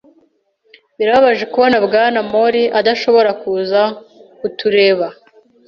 Birababaje kubona Bwana Mori adashobora kuza kutureba.